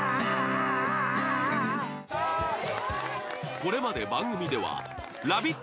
これまで番組では「ラヴィット！」